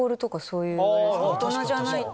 大人じゃないと。